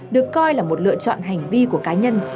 được coi là một lựa chọn hành vi của cá nhân